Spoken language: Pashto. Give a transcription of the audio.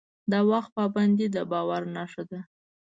د وخت پابندي د باور نښه ده.